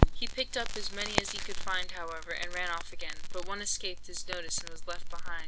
"He picked up as many as he could find, however, and ran off again; but one escaped his notice and was left behind.